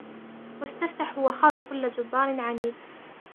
واستفتحوا وخاب كل جبار عنيد